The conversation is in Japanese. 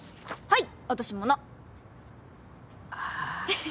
はい。